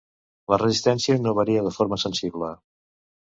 La resistència no varia de forma sensible.